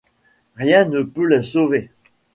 Rien ne peut le sauver ?